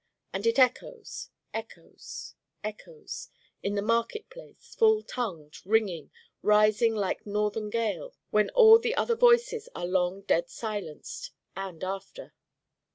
And it echoes, echoes, echoes in the market place full tongued, ringing, rising like the northern gale when all the other voices are long dead silenced: and after.